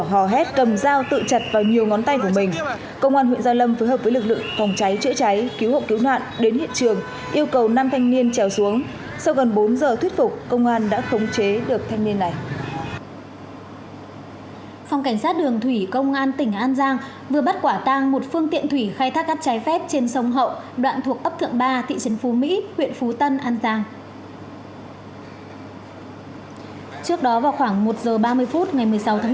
hò hét cầm dao vào chùa phúc long đường ngô xuân quảng huyện gia lâm hà nội